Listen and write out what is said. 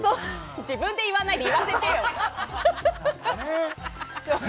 自分で言わないで言わせてよ。